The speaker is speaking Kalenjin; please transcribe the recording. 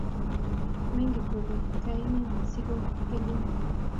Menget kole kaine sigogellun